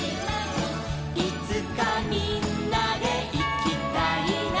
「いつかみんなでいきたいな」